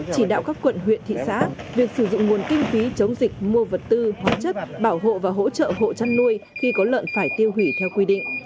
chỉ đạo các quận huyện thị xã việc sử dụng nguồn kinh phí chống dịch mua vật tư hóa chất bảo hộ và hỗ trợ hộ chăn nuôi khi có lợn phải tiêu hủy theo quy định